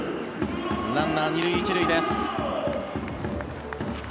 ランナー２塁１塁です。